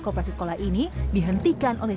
koperasi sekolah ini dihentikan oleh